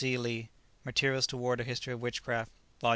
C. Lea, "Materials Toward a History of Witchcraft," Vol.